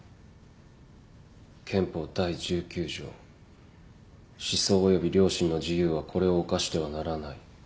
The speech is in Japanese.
憲法第１９条思想および良心の自由はこれを侵してはならない。